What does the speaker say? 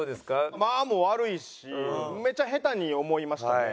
間も悪いしめっちゃ下手に思いましたね。